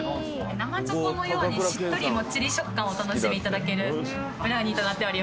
生チョコのようにしっとりもっちり食感をお楽しみいただけるブラウニーとなっております。